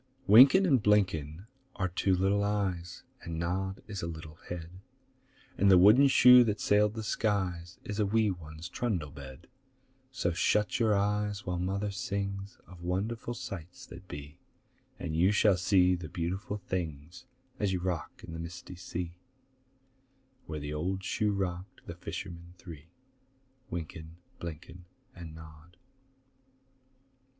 Wynken and Blynken are two little eyes, And Nod is a little head, And the wooden shoe that sailed the skies Is a wee one's trundle bed; So shut your eyes while Mother sings Of wonderful sights that be, And you shall see the beautiful things As you rock on the misty sea Where the old shoe rocked the fishermen three, Wynken, Blynken, And Nod.